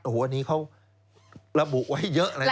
โอ้โหอันนี้เขาระบุไว้เยอะเลยนะ